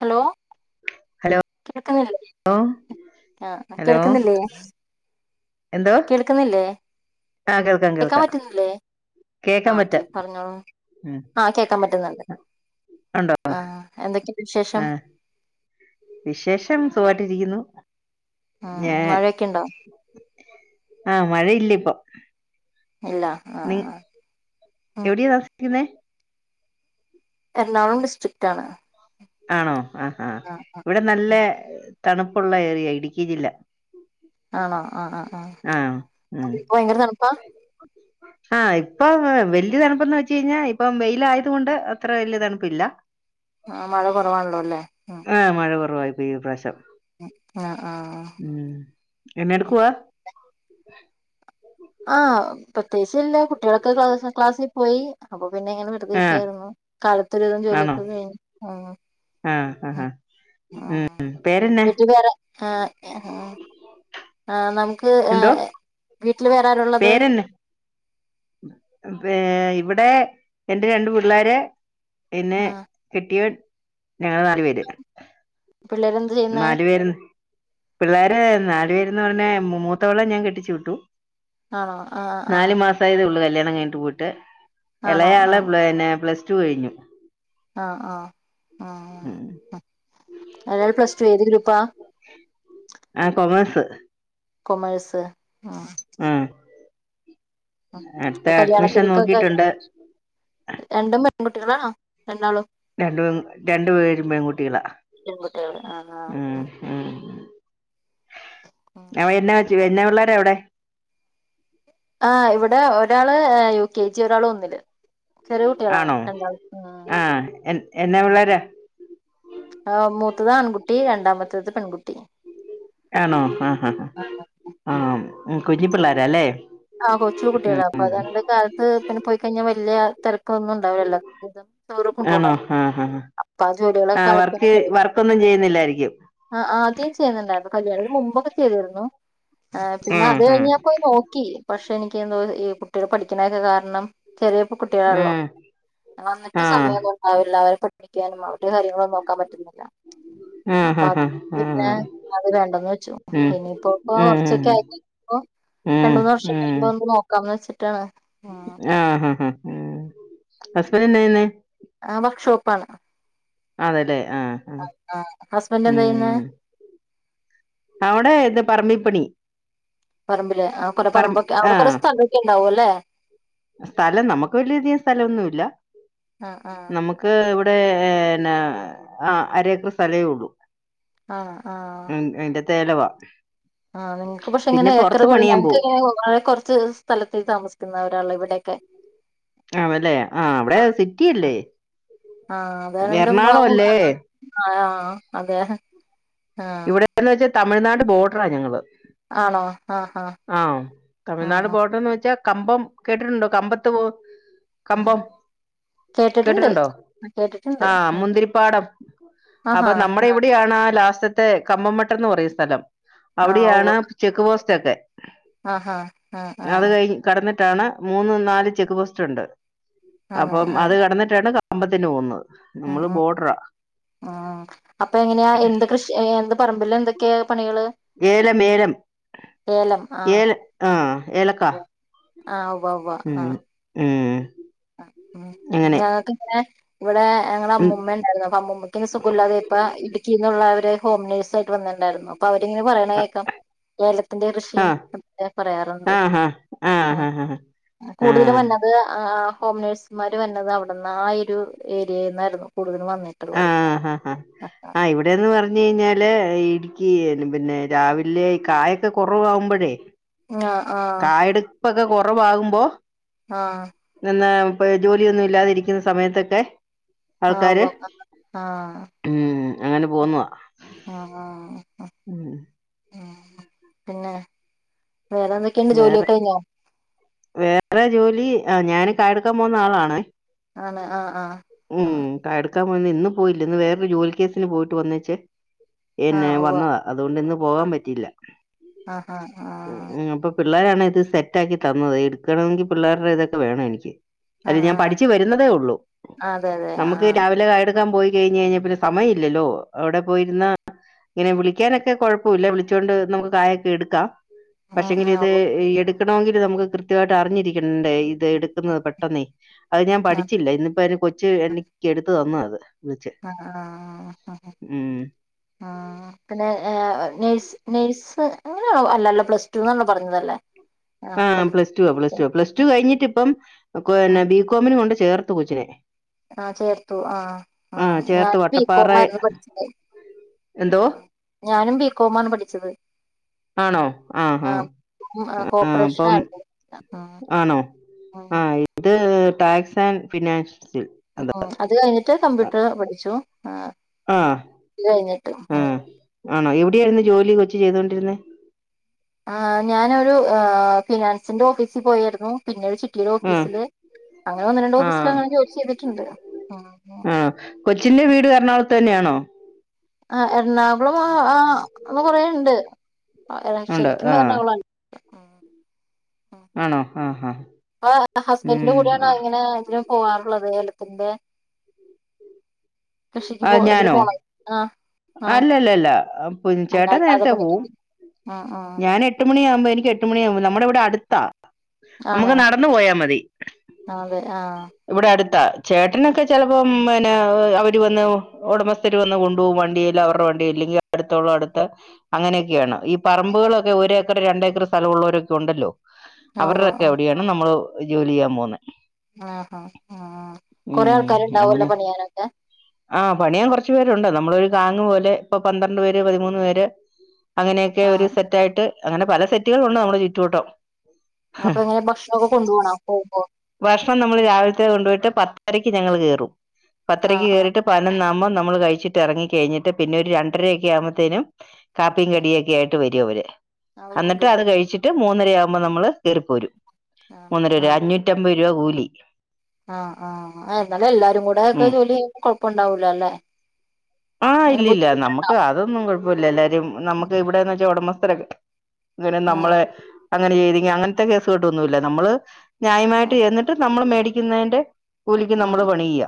Hello hello കേൾക്കുന്നില്ലേ ആഹ് hello കേൾക്കുന്നില്ലേ എന്തോ കേൾക്കുന്നില്ലേ ആ കേൾക്കാം കേൾക്കാൻ കേൾക്കാം പറ്റുന്നില്ലേ ആ കേൾക്കാൻ ഓക്കെ പറ്റാം പറഞ്ഞോളൂ ഉം. ആഹ് കേൾക്കാൻ പറ്റുന്നുണ്ട് ഉണ്ടോ ആഹ് എന്തൊക്കെണ്ട് വിശേഷം ആ വിശേഷം സുഖായിട്ടിരിക്കുന്നു ഉം മഴയൊക്കെ ഇണ്ടോ ആമഴ ഇല്യഇപ്പൊ ഇല്ല നി ആഹ് ആഹ് ഉം എവിടെയാാ തസിക്കുന്നേ എറണാകുളം ഡിസ്ട്രിക്റ്റ് ആണ് ആണോ ആഹാ ആഹ് ആഹ് ഇവിടെ നല്ല ഉം തണുപ്പുള്ള ഏറയ ഇടുക്കി ജില്ല ആണോ ആ ആ ആഹ ആ ഇപ്പ ഭയങ്കര തണപ്പാ ആഹ ഇപ്പൊ വല്ിയ തണുപ്പന്ന് വെച്ച കഴിഞ്ഞാൽ ഇപ്പ വെയില ആയത കൊൊണ്ട് അത്ര വല്ിയ തണുപ്പില്ലല്ല ആ മഴ കുറവാണല്ലോ അല്ലേ ഉ ഫയബ സബ ആഹ ആഹ എന്നെ എടുക്കവാ [unintelligible] ആഹ പത് വയസല്ല കുട്ടികളൊക്കെ ക്ലാസ്സിൽ പോയി അ പിന്നെ എങ്ങനെ വെറുതെ ആ ഇരിക്കായിരുന്നു കാലത്തൊരിതും ആണോ ജോലിയൊക്കെ കഴി ആ ആ ആ. ഉം പേരെന്നെ ട്ടേറെ ആ ആ നമക്ക് എന്തോ [unintelligible] ട്ടൽ വേരരുള്ളത് പേരെന്നെ ഇവിടെ എന്റെ രണ്ടു പിള്ളോര് എന്നെ ആഹ് കെട്ടിയൻ ഞങ്ങള്ൾ നല് പേര് പിള്ളേര് എന്ത് ചെയ്യുന്ന പിള്ളോര് നാലു പേരന്ന് പറഞ്ഞ മൂത്തോളം ഞാൻ കെട്ടിച്ചു വിട്ടു ആണോ ആഹ് ആഹ് നാല്ു മാസ ആയതേ ഉള്ളു കല്യാണം കി് പോയിട്ട് ആണോ ഇളയാല പ്ലസ് ച കഴിഞ്ഞു ആഹ ആഹ ഉം ആ അൽ പ്ലസ് ടു ഏത് ഗ്രൂപ്പാ ആഹ കൊമഴസ് കൊമേഴ്സ് ഉ ആഹ പ്പ കല്യാണത്തിക്കൊക്കെ രണ്ടും പെൺകുട്ടി രണ്ട പ രണ്ടു പേരും പെൺകുട്ടികളാ പെൺകുട്ടികള് ആഹ് ഉ ആഹ് ഉ ഉം അവ എ എന്നെ പിള്ളേരെ എവിടെ ആ് ഇവിടെ ഒരാള് യു കെ ജി ഒരാള് ഒന്നില് ചെറിയ കുട്ടികളാണ് ആണോ രണ്ടാമത്തെ ആ എൻ എന്നാ പിള്ളേരാ ഉ മൂത്തത് ആൺകുട്ടി രണ്ടാമത്തേത് പെൺകുട്ടി ത ആണോ ആഹ് ഹ ആഹ ഉ കുഞ്ഞി പിള്ളോര അല്ലേ ആഹ് കൊച്ചു ഉം കുട്ടികളാണ് അപ്പൊ ഉം അത കാലത്ത് പിന്നെ പോയി കഴിഞ്ഞാൽ വലിയ തിര ക്കാന്നും ഇണ്ടാവില്ല എല്ലാ ഇതും ചോറി ആണോ കൊണ്ടപോ ആഹ് ആഹ് അപ്പ ആ ആഹ് ജോലികളൊക്കൊലത്ത് വർക്ക് വർക്കൊന്നും ചെയ്യുന്നില്ലായിരിക്കും ആ ആദ്യം ചെയ്യുന്നുണ്ടായിരുന്നു കല്യാണത്തിന് മുമ്പൊക്കെ ചെയ്തിരുന്നു ആ പിന്നെ ഉം അത് ഉം കഴിഞ്ഞാ പോയി നോക്കി പക്ഷെ എനിക്ക് എന്തോ ഈ കുട്ടികള പഠിക്കണൊക്കെ കാരണം ചെറിയപ്പോ കുട്ടികളള്ളോ ഉം വന്നിട്ട് ആഹ് സമയമന്നും ഉണ്ടാവില്ല അവരെ ക്കാനും അവര്ടെ കാര്യങ്ങളുംനോക്കാൻ പറ്റുന്നില്ല അപ്പൊ ആഹ് ആഹ് അത് ആഹ് പിന്നെ ആഹ് അത് വേണ്ടന്ന് വെച്ചു ഉം ഇനിയിപ്പോ ഇപ്പ ഉം കുറച്ചൊക്കെ ആയി രണ്ട് ഉം മൂന്ന് വർഷക്ക ആവുമ്പൊ ഒന്ന് നോക്കാംന്ന് വെച്ച ട്ട ആഹ ആഹ ആഹ ഉ ഹസ്ബന്റ് എന്നാ ചെയ്യുന്നേ ആ വർക്ക്ഷോപ്പ ആണ് അതെല്ലെ ഹസ്ബൻറ് എന്ത ചെയ്യന്ന് അവടെ ഇത് പറമ്പിപ്പണി പറമ്പില് ആ കൊറെ പറ പറമ്പൊക്കെ അവിടെ കൊറ ആഹ് സ്ഥല ഒക്കെ ഉണ്ടാവും അല്ലെ സ്ഥലം നമുക്ക് വലിയ തികം സ്ഥലം ഒന്നു ഇല്ല ആ ആ നമുക്ക് നടെന്ന ആ അര ഏക്കെർ സ്ഥലേ ഉള്ളു ആഹ ആഹ സ്ഥലവ ആഹ നിങ്ങക്ക് പക്ഷെ ഇങ്ങനെ ഏക്കർ പോവും ഞക്ക് കുറച്ച് സ്ഥലത്ത താമസിക്കുന്ന ഒരാള ഇവിടെ കെ ആല്ലേ ആഹ അവിടെ സിറ്റില്ലേ ആ അതായോണ്ട് ആ എറണാകുളം മൂന്ന് അല്ലേ ആ ആ അതെ ആ ഇവിടെന്ന് വെച്ചാ തമിഴ്നാട് ബോർഡറാ ഞങ്ങള് ആണോ ആ ആ ആഹ് ആ തമിഴ്നാട് ആ ബോർഡർന്ന് വെച്ചാ കമ്പം കേട്ടിട്ടുണ്ടോ കമ്പത്ത് പോ ആ കമ്പം കേട്ടിട്ടുണ്ട് കേട്ടിട്ടുണ്ടോ കേട്ടിട്ടുണ്ട് ആഹ് ആ മുന്തിരിപ്പാടം ആഹാ അപ്പൊ നമ്മുടെ ഇവിടെയാണ് ആഹ് ലാസ്റ്റത്തെ കമ്പം മട്ട- ന്ന് പറയുവിസ്ഥലം അവിടെയാണ് ചെക്ക് പോസ്- റ്റൊക്കെ ആഹ് ആഹ് ആഹ് ആഹ് റ്റാണ് മൂന്ന് നാല് ചെക്ക് പോസ്റ്റൊണ്ട് ആണ് അപ്പം ആ അത് കടന്നിട്ടാണ് ക കമ്പത്തിന് പോന്നത് ഉം ഉം ഉം അപ്പ എങ്ങനെയാ എന്ത് കൃഷിയാ എന്ത് പറമ്പില് തെക്കെയാ ഏലം ഏലം ഏലം ഏല് ആഹ് ഏലക്ക ആവു ഉവ്വ ഉവ്വ ഉം ആഹ് ഉം അങ്ങനെ ഞങ്ങക്കിങ്ങനെ ഇവടെ ഞങ്ങളെ ഉം അമ്മൂമ്മ ഇണ്ടാരുന്നു അപ്പ അമ്മൂമ്മക്ക് സുഖില്ലാതായപ്പ ഇടുക്കി ള്ളവര് ഹോം നേഴ്സായിട്ട് വന്നിട്ട്ണ്ടാരുന്നു അപ്പൊ അവരിങ്ങനെ പറയണ അ- കേക്കാം. കേരളത്തിന്റെ ആ കൃഷിയും പറയാറുണ്ട് ആഹാ ആഹ് ആഹാ കൂടുതലും വര്ണത് ആഹ് ഹോം നേഴ്സ്മാര് വര്നത് അവിട്ന്നാ. ആ എരു ഏരിയേന്നായ്രുന്നു. കു ആഹ് ഹാ ഹാ ആഹ് ഇവിടേന്ന് പറഞ്ഞു കയിഞ്ഞാ ല് ഇട്ക്കി പിന്നെ രാവിലെ കായൊക്കെ കൊറവാവ്മ്പഴേ ആഹ് ആഹ് പ്പൊക്കെ കൊറവാകുമ്പോ നെന്നേ ഇപ്പഴ് ജോലിയൊന്നും ഇല്ലാതിരിക്കുന്ന സമയത്തൊക്കെ ആഹ് ആൾക്കാര് ഉവ്വ ഊം അങ്ങനെ പോവുന്നതാ. ആഹാ ആഹ് പിന്നെ വേറെ എന്തെക്കെണ്ട്. വേറെ ജോലിയൊക്കഴിഞ്ഞൊ? വേറെ ജോലി ഞാന് കയെടുക്കാൻ പോകുന്ന ആളാണ് ആണ് ആഹ് ആ ഹ് ഉം കായെടുക് ക്കാൻ വന്ന് ഇന്ന് പോയില്ല ഇന്ന് വേറൊരു ജോലി കേസിന് പോയിട്ട് വന്നേച്ചേ എന്നെ ആഹ് ഉവ്വ വന്നതാ അതുകൊണ്ട്ന്ന് പോകാൻ പറ്റില്ല ആഹ് ഹ് ആഹ് പിള്ളോരാണ് ഇത് സെറ്റാക്കി തന്നത് എടുക്കണമെങ്കിൽ പിള്ളേരുടെ ഇതൊക്കെ വേണം എനിക്ക് അല്ല ആഹ് ഞാൻ പഠിച്ചു വരുന്നതേ ഉള്ളൂ അതെ അതെ ആഹ് എടുക്കാൻ പോയി കഴിഞ്ഞയിഞ്ഞാ പിന്നെ സമയില്ലല്ലോ അവിടെ പോയിരുന്ന ഇങ്ങനെ വിളിക്കാനൊക്കെ കുഴപ്പില്ല വിളിച്ചൊണ്ട് നമുക്ക് കായൊക്കെ എടുക്കാം ആഹ് പക്ഷെങ്കിലും ആഹ് ഇത് ഉവ്വ് എടു ക്കണമെങ്കില് നമുക്ക് കൃത്യമായിട്ട് അറിഞ്ഞിരിക്കണ്ടേ ഇ എടുക്കുന്നത് പെട്ടെന്നേ അത് ഞാൻ ആഹ് പഠിച്ചില്ല ഇന്ന് കൊച്ച് എനിക്ക് എടുത്ത് ത്ത് തന്നതാ അത് ആ ആ ഉം. ആ പിന്നെ നേഴ് നേഴ്സ് അങ്ങനെയാണോ അല്ലല്ലോ പ്ലസ്ടൂന്നാണല്ലോ പറഞ്ഞതല്ലേ ആഹ് പ്ലസ്ടുവാ പ്ലസ്ടുവാ പ്ലസ്ടു കഴിഞ്ഞിട്ടപ്പം ബികോമിന് കൊണ്ട് ച ചേർത്ത് കൊച്ചിനെ ആ ചേർത്തു ആഹ് ആ ചേർത്ത് ഞാനും വട്ടപ്പാറ ബികോമാരുന്നു പഠിച്ചത് എന്തോ? ഞാനും ഉം ബികോമാണ് പഠിച്ചത്. ആണോ ആഹ് ഹാ ഉം ആഹ് ആ അപ്പം കോപ്പറേഷനായിരുന്നു ഉം ആണോ ഉം ആഹ് ഇത് ഏ ടാക്സ് ആൻഡ് ഫിനാൻഷ് ഉം അത് കഴിഞ്ഞിട്ട് കമ്പ്യൂട്ടർ പഠിച്ചു ആഹ് ആഹ് അത് കഴിഞ്ഞിട്ട് മ് ആണോ എവിടെയായിരുന്നു ജോലി കൊച്ച് ചെയ്തൊണ്ടിരുന്നെ ആ ഞാനൊരു ആ ഫിനാൻസിന്റെ ഓഫീസിൽ പോയേരുന്നു പിന്നീട് ചിട്ടിയുടെ ആ. ഓഫീസില് അങ്ങനെ ഒന്ന് രണ്ട് ആ. ഓഫീസിലങ്ങനെ ജോലി ചെയ്തിട്ട്ണ്ട് ഉം ത്തന്നെയാണോ? ആ എറണാകുളം ആ ആ അവ കൊറേണ്ട് ആ എള ഉണ്ട്. ശരിക്കും ആ. എളങ്കാകുളാണ് ആണോ ആഹ് ഹാ ഇപ്പൊ ഹസ്ബെന്റിന്റെ കൂടയാണോ ഇങ്ങനെ ആഗ്രഹം പോവാറുള്ളത് ഏലത്തിന്റെ കൃഷിക്ക് ആ, പോ ഇതിന് ഞാനോ? പോണത്. ആഹ് ആഹ് അല്ലല്ലല്ല ഏഹ് പുൻ അല്ല ചേട്ടൻ അല്ലാതെ നേരത്തെപോവും. പണിക്ക് ആഹ് ആഹ് ഞാൻ എട്ട് മ മണിയാകുമ്പൊ എനിക്ക് എട്ട് മണിയാവുമ്പം നമ്മുടെവിടെ അട്ത്താ. നമുക്ക് ആണ് നടന്നുപോയാമതി അതെ ആഹ് ഇവിടെ അടുത്ത് ചേട്ടനൊക്കെ ചെലപ്പോം പിന്നെ അവര് വന്ന് ഒടമസ്ഥര് വന്ന് കൊണ്ടുപോകും വണ്ട് [unintelligible] അവരുടെവണ്ടി ഇല്ലെങ്കി അടുത്തുള്ള അടുത്ത് അങ്ങനെയൊക്കെയാണ് ഈപറമ്പുകളൊക്കെ ഒരേ രണ്ടേക്കർ സ്ഥലവുള്ളൊരു ഇതുണ്ടല്ലോ ആഹ് ഉവ്വ് ആഹ് അവരുടെക്കെയവിടെയാണ് നമ്മള് ജോലിചെയ്യാൻ പോകുന്നെ ആഹ് ആഹാ ആഹ് കൊറേ ആൾക്കാര്ണ്ടാവൊല്ലോ പണിയാനൊക്കെ ആഹ് പണിയാൻ കൊറച്ച്പേരുണ്ട് നമ്മളൊരു താങ്ങ്പോലെ ഇപ്പൊ പന്ത്രണ്ട്പേര് പതിമൂന്ന്പേര് അങ്ങനെക്കെ ഒരു ആഹ് സെറ്റായിട്ട് അങ്ങനെ പല സെറ്റുകളുണ്ട് നമ്മുടെചുറ്റുവട്ടം അപ്പെങ്ങനെയാ ഭക്ഷണോക്കെ കൊണ്ടു പോവാണാ പോകുമ്പോ ഇപ്പം നമ്മള് രാവില്ത്തെ കൊണ്ടോയിട്ട് പത്തരയ്ക്ക് ഞങ്ങൾ കേറും പത്തരക്ക് ആഹ് കേറീട്ട് പതിനൊന്നാ ആവുമ്പം നമ്മള് കഴിച്ചിട്ടെറങ്ങി കെഴിഞ്ഞിട്ട് പിന്നെ ഒരു രണ്ടരയൊക്കെയാവുമ്പത്തേനും കാപ്പിയും ആഹ് കടിയൊക്കെയായിട്ട് വര്അവര് - അവര് അന്നിട്ട് കൊണ്ടുവരും അത്കഴിച്ചിട്ട്- മൂന്നരയാവുമ്പൊ നമ്മള് കേറിപ്പോരും- ആണോ മൂന്നരവരെ ആഹ് അഞ്ഞൂറ്റമ്പത് രുവകൂലി- ആഹ് ആഹ് എന്നാലും എല്ലാരുംകൂടെക്കെ ഉം ജോലിചെയ്യുമ്പം കൊഴ പ്പൊണ്ടാവൂലല്ലേ? ആഹ് ഇല്ലില്ല നമ്മുക്ക് അതൊന്നും കുഴപ്പമില്ല എല്ലാരും നമ്മുക്ക് ഇവിടെന്ന് വച്ചാ ഉടമസ്ഥ [unintelligible] ഇത് വരെ ആഹ് നമ്മളെ- അങ്ങനെചെയ്തെങ്കി അങ്ങനത്തെ കേസുകെട്ടൊന്നുല്ല നമ്മള്- ആഹ് ന്യായമായിട്ട്ചെന്നിട്ട് നമ്മള് മേടിക്ക് ക്ക് ന്നേന്റെ- കൂലിക്ക് നമ്മള് ആഹ് പണിയ്യ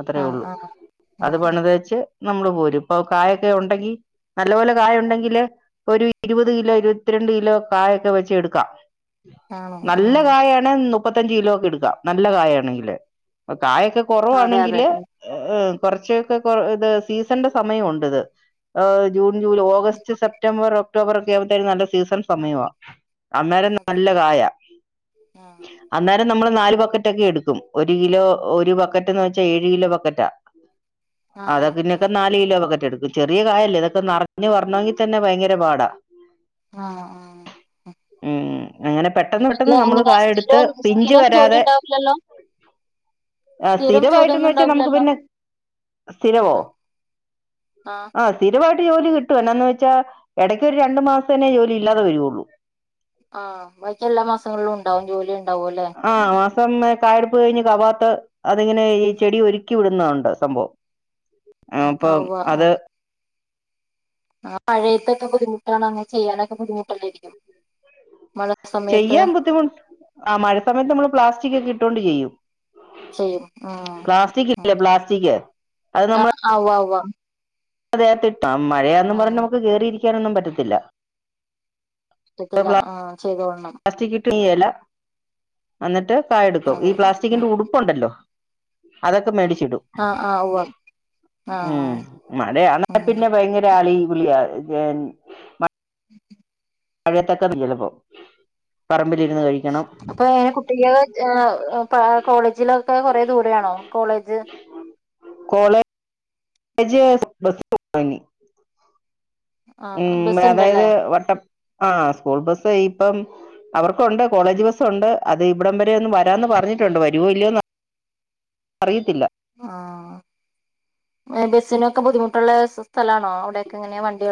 അത്രയേ ആഹ് ഉള്ളൂ ആഹ് അത് ആഹ് പണ്തേച്ച്- നമ്മള് പോരും ഇപ്പൊ കായൊക്കെ ഉണ്ടെങ്കി നല്ലപോലെ കായ ഉണ്ടെങ്കില് ഒരു ഇരുപത് കിലോ ഇരുപത്തിരണ്ട് കിലോ കായൊക്കെ വെച്ച് എടുക്കാം- ആണോ നല്ല ആഹ് കായാണ് നു മുപ്പത്തഞ്ച് കിലോ ഒക്കെ എടുക്കാം നല്ല കായ ആണെങ്കില് കായൊക്കെ അതെ അതെ കൊറവാണെങ്കില് ഏഹ് കൊറച്ചൊക്കെ കൊറ ഇത് സീസന്റെ സമയം ഒണ്ട്ത് ഏഹ് ജൂ ഓഗസ്റ്റ് സെപ്റ്റംബർ ഒക്കെ ഒക്ടോബർ ഒക്കെ ആവ്പോത്തേും നല്ല സീസൺ സമയമാണ് അന്നേര അതെ നല്ല കായ ആഹ് അന്ന അ നമ്മള് നാല് ബക്കറ്റ ഒക്കെ എടുക്കും ഒരു കിലോ ഒരു ബക്കറ്റ്ന്ന് വെച്ചാ ഏഴ് കിലോ ബക്കറ്റാ ആഹ ആഹ് ആഹ ോ എടുക്കും ചെറിയ കായല്ലേ ഇതൊെ നിറഞ്ഞഞ് പറഞ്ഞണമെങ്കിൽ തന്നെ ഭയങ്കര പാടാ ആഹ ആഹ ഉ അങ്ങനെ പെട്ടെന്ന് പെട്ടെന്ന് നമ്മള് അങ്ങനെ കായ എടുത്ത് സ്ഥിരം പിഞ്ച സ്ഥിരം ജോലി വരാതെ ഉണ്ടാവില്ലല്ലോ ആ സ്ഥിരം സ്ഥിരായിട്ടന്ന് ജോലിയൊന്നും വെച്ചാ നമുക്ക് ഉണ്ടാവില്ലല്ലോ പിന്നെ സ്ഥിരവോ ആഹ് ആഹ സിര ഒരുപട്ട് ജോലിട്ടും എന്നാന്ന് വെച്ചാൽ ഇടയ്ക്ക് ഒരു രണ്ട മാസേ ജോലി ഇല്ലതെ വരുയുള്ളൂ ആഹ ബാക്കക്ക് എല്ലാ മാസങ്ങളിലും ഉണ്ടാവും ജോലി ഉണ്ടാവും അല്ലെ ഉ കായടുപ്പ് കഴിഞ്ഞ് കപാത്ത് അതിങ്ങനെ ഈ ചെടി ഒരുക്കി വിടുന്നണ്ട് സംഭവം ആ അപ്പൊ ആഹ് അത് ആ പഴയത്തൊക്കെ ബുദ്ധിമുട്ടാണ് അനെ ചെയ്യാനൊക്കെ ബുദ്ധിമുട്ടല്ലായിരിക്കും സമയത്ത് ചെയ്യാൻ ബുദ്ധിമുട്ട ആ മഴ സമയത്ത് നമ്മള് പ്ലാസ്റ്റിക് ഒക്കെ ഇട്ടോണ്ടിരിക്ക ചെയ്യും ചെയ്യും ഉ പ്ലാസ്റ്റിക് ഇല്ലേ പ്ലാസ്റ്റിക് ആ ആ അതെെ് ആ മഴയാന്ന് പറഞ്ഞ ആഹ് നുക്ക് കേയറിയിരിക്കും ാനൊന്നും പറ്റത്തില്ല ഇഷ്ടത്തില്ല ആ ചെയ്ത കൊടണം പ്ലാസ്റ്റക്ിട്ടുംല എന്നിട്ട് ായ എടുക്കോ ഈ അതെ അതെ പ്ലാസ്റ്റിക്കിന്റെ ഉടുപ്പുണ്ടല്ലോ അതൊക്കെ മേടിിക്ക ആഹ് ആഹ് ഉവ്വ ആഹ് ആഹ് മഴയാണ ഉം പിന്നെ ഭയങ്കര അളി ഗളി എൻ [unintelligible] പറ അപ്പൊ ആഹ് കുട്ടിക്ക്‌ ആഹ് കോളേജിലൊക്കെ കൊറെ ദൂരെ ആണോ കോളേജ് കോളേജ് കോളജ് ബസ്‌ വാങ്ങി ആഹ് ഉം ബസ് ഇണ്ടല്ലേ അതായത് വട്ട ആഹ് സ്കൂൾ ബസ്സ് ഇപ്പം അവർക്കുണ്ട് കോളേജ് ബസ്സുണ്ട് അത് ഇവിടം വരെ ഒന്ന് വരാന്ന് പറഞ്ഞിട്ടുണ്ട് വരുവോ ഇല്ലയോന്ന് അറിയത്തില്ല ആഹ് ബസിനൊക്കെ ബുദ്ധിമുട്ടുള്ള സ്ഥലാണോ അവിടോക്കെ ഇങ്ങനെയ വണ്ടി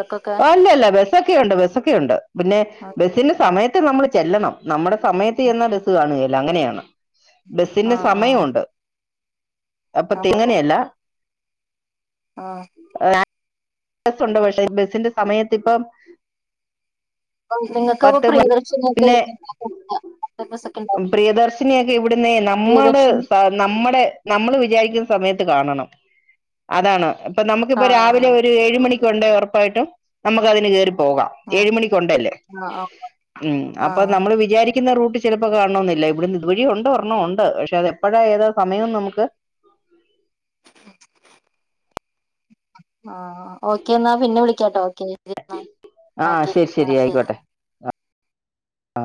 ഓഹ് ഇല്ലില്ല ബസ് സൊക്കെ ഉണ്ട് ബസ്സൊക്കെ ഉണ്ട് പിന്നെ ആഹ് ബെസിന്റെ സമയ ത്ത് നമ്മൾ ചെല്ലണം നമ്മുടെ സമയത്ത് ചെന്ന ബസ് കാണെലാ അങ്ങനെയാണ് ബസിന്റെ ആഹ് സമയവുണ്ട് അപ്പൊ തെങ്ങനെയല്ല ആ ബസുണ്ട് പക്ഷെ ഈ ബസിന്റെ സമയത്ത് ഇപ്പം നിങ്ങൾക്ക് അപ്പൊ പത്ത് പ്രിയദർശിനിയൊക്കെ പിന്നെ ഒക്കെ ഉണ്ടാവും പ്രിയദർശിനിയൊക്കെ ഇവിടുന്നെ നമ്മള് പ്രിയദർശിനി നമ്മടെ നമ്മൾ വിചാരിക്കുന്ന സമയത്ത് കാണണം അതാണ് ഇപ്പൊ നമുക്കിപ്പോ രാവിലെ ആഹ് ഒരു ഏഴ് മണി ക്ക് ഉണ്ടേ ഉറപ്പായിട്ടും നമുക്കതിന് കേറി പോകാം ആഹ് ഏഴ് മണിക്ക്‌ ഉണ്ടേല് ആഹ് ഉം അപ്പൊ ആഹ് നമ്മൾ വിചാരി ക്കുന്ന റൂട്ട് ചിലപ്പോ കാണണൊന്നില്ല ഇവിടെ ഇതുവഴി ഉണ്ട് ഒരെണ്ണം ഉണ്ട് പക്ഷെ അത് എപ്പോഴാ ഏതാ സമയംന്ന് നമുക്ക് ആ ഓക്കെ എന്നാ പിന്നെ വിളിക്കാട്ടോ [unintelligible] ഓക്കെ ശരി ആ ആയിക്കോട്ടെ ശരി ആ